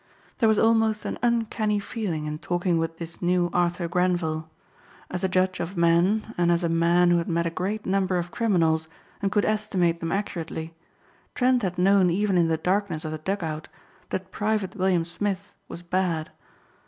There was almost an uncanny feeling in talking with this new Arthur Grenvil. As a judge of men, and as a man who had met a great number of criminals and could estimate them accurately, Trent had known even in the darkness of the dug out that Private William Smith was bad.